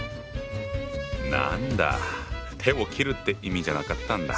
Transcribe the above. なんだ手を切るって意味じゃなかったんだ。